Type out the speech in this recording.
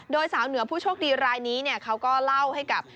โดยสาวเหนือผู้โชคดีรายนี้เขาก็เล่าให้กับ